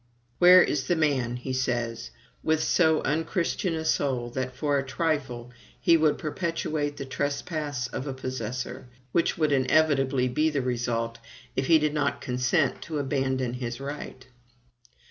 "Where is the man," he says, "with so unchristian a soul that, for a trifle, he would perpetuate the trespass of a possessor, which would inevitably be the result if he did not consent to abandon his right?"